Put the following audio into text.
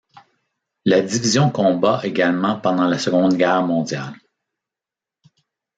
La division combat également pendant la Seconde Guerre mondiale.